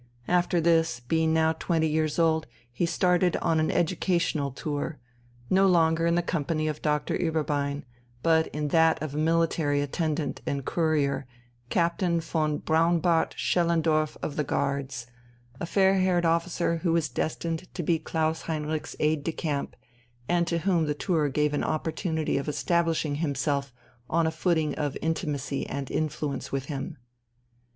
After this, being now twenty years old, he started on an "educational tour" no longer in the company of Doctor Ueberbein, but in that of a military attendant and courier, Captain von Braunbart Schellendorf of the Guards, a fair haired officer who was destined to be Klaus Heinrich's aide de camp, and to whom the tour gave an opportunity of establishing himself on a footing of intimacy and influence with him.